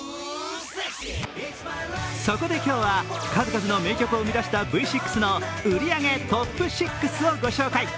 そこで今日は数々の名曲を生み出したＶ６の売り上げトップ６をご紹介。